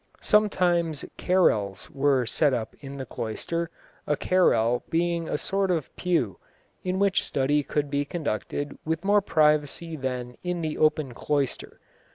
Sometimes carrells were set up in the cloister, a carrell being a sort of pew, in which study could be conducted with more privacy than in the open cloister.